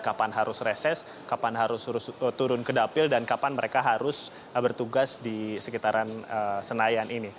kapan harus reses kapan harus turun ke dapil dan kapan mereka harus bertugas di sekitaran senayan ini